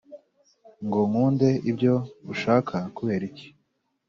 Ngo nkunde ibyo ushaka kubera iki.